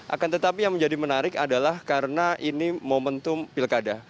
akan tetapi yang menjadi menarik adalah karena ini momentum pilkada